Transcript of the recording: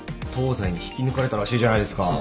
『東西』に引き抜かれたらしいじゃないですか。